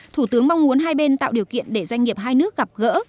thủ tướng mong muốn hai bên tạo điều kiện để doanh nghiệp hai nước gặp gỡ